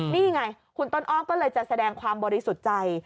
นี่ไงคุณต้นอ้อมก็เลยจะแสดงความบริสุทธิ์ใจ